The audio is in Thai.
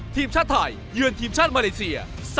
ทีมชาติไทยเยือนทีมชาติมาเลเซีย